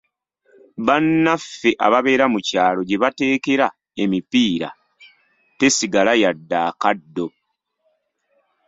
Bannaffe ababeera mu kyalo gye bateekera empiira tesigala yadde akaddo!